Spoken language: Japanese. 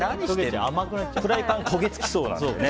フライパン焦げ付きそうですね。